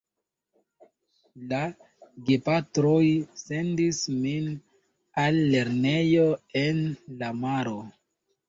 La gepatroj sendis min al lernejo en la maro.